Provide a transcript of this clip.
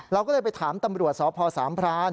เราก็เลยไปถามตำรวจสพสามพราน